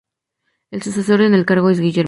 El sucesor en el cargo es Guillermo.